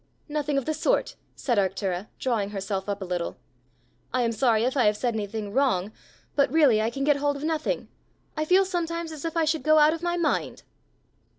"Nothing of the sort!" said Arctura, drawing herself up a little. "I am sorry if I have said anything wrong; but really I can get hold of nothing! I feel sometimes as if I should go out of my mind."